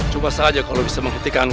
coba saja kalau bisa menghentikan